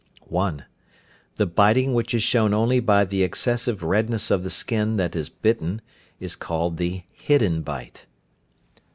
(1). The biting which is shown only by the excessive redness of the skin that is bitten, is called the "hidden bite."